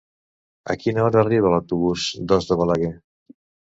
A quina hora arriba l'autobús d'Os de Balaguer?